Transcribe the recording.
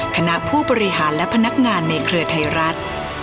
คณะผู้บริหารและพนักงานในเครือไทยรัฐ